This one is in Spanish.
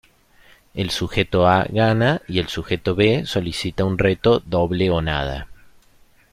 El sujeto A gana, y el sujeto B solicita un reto "doble o nada".